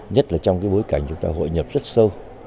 nhất là trong cái bối cảnh chúng ta hội nhập rất sâu